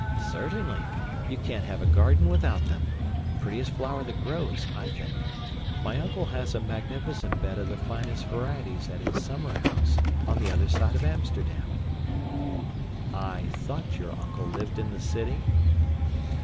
"Certainly. You can't have a garden without them; prettiest flower that grows, I think. My uncle has a magnificent bed of the finest varieties at his summer house on the other side of Amsterdam." "I thought your uncle lived in the city?"